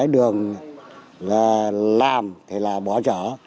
đường là làm thì là bỏ chở